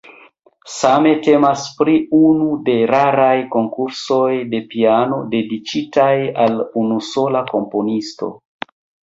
Same temas pri unu de raraj konkursoj de piano dediĉitaj al unusola komponisto.